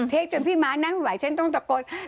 จนพี่ม้านั่งไหวฉันต้องตะโกน